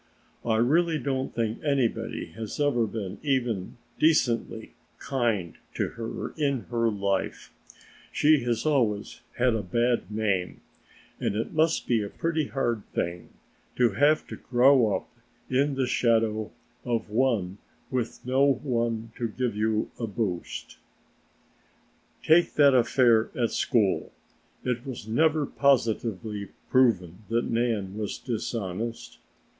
I really don't think anybody has ever been even decently kind to her in her life; she has always had a bad name, and it must be a pretty hard thing to have to grow up in the shadow of one with no one to give you a boost. Take that affair at school; it was never positively proven that Nan was dishonest.